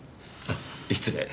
失礼。